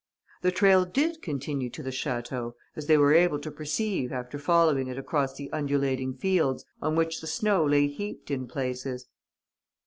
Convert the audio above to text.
The trail did continue to the château, as they were able to perceive after following it across the undulating fields, on which the snow lay heaped in places.